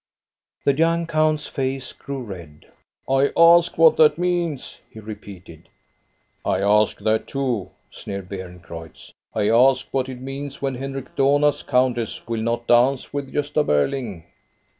The young count's face grew red. I ask what that means !" he repeated. I ask that too," sneered Beerencreutz. "I ask what it means when Henrik Dohna's countess will not dance with Gosta Berling."